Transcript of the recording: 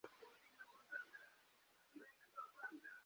Afg‘oniston erkin va suveren davlatga aylandi — Tolibon